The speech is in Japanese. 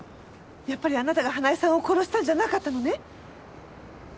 やっぱりあなたが花絵さんを殺したんじゃなかったのね？